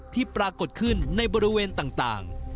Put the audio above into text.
ปรากฏขึ้นในบริเวณต่าง